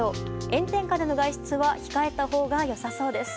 炎天下での外出は控えたほうがよさそうです。